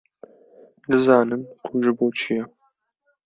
nizanin ku ji bo çî ye?